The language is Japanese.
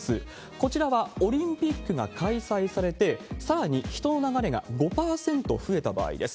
こちらはオリンピックが開催されて、さらに人の流れが５％増えた場合です。